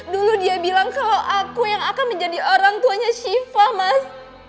dulu dia bilang kalau aku yang akan menjadi orang tuanya shiva mas